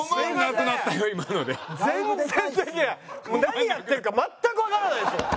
何やってるか全くわからないですもん。